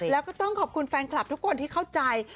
แล้วก็ต้องขอบคุณแฟนคลับทุกคนที่เข้าใจ